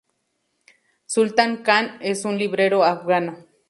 Sultan Khan es un librero afgano.